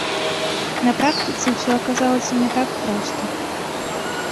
На практыцы ўсё аказалася не так проста.